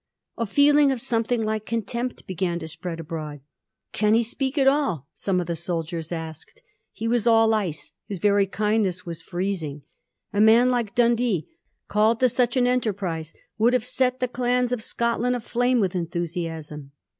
A feeling of some thing like contempt began to spread abroad. ' Can he speak at all?' some of the soldiers asked. He was all ice ; his very kindness was freezing. A man like Dundee called to such an enterprise would have set the clans of Scotland aflame with enthusiasm.